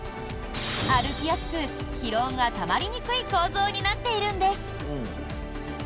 歩きやすく、疲労がたまりにくい構造になっているんです。